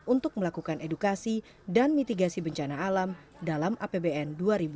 untuk melakukan edukasi dan mitigasi bencana alam dalam apbn dua ribu dua puluh